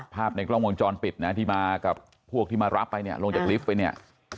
ภาพในกล้องวงจรปิดนะที่มากับพวกที่มารับไปเนี่ยลงจากลิฟต์ไปเนี่ย